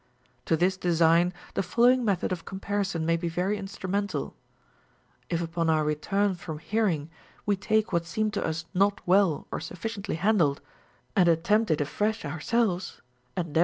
To this design the following method of com parison may be very instrumental ; if upon our return from hearing Λνο take what seemed to us not well or suf ficiently handled, and attempt it afresh ourselves, endeav• 448 OF HEARING.